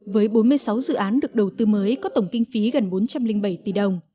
với bốn mươi sáu dự án được đầu tư mới có tổng kinh phí gần bốn trăm linh bảy tỷ đồng